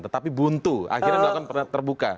tetapi buntu akhirnya sudah pernah terbuka